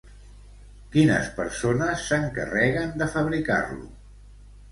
Quines persones s'encarreguen de fabricar-lo?